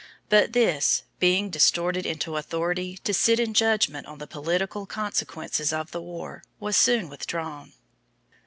But this, being distorted into authority to sit in judgment on the political consequences of the war, was soon withdrawn.